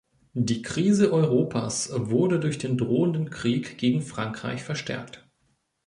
Die Krise Europas wurde durch den drohenden Krieg gegen Frankreich verstärkt.